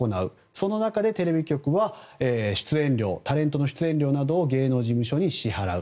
その中でテレビ局は出演料、タレントの出演料などを芸能事務所に支払う。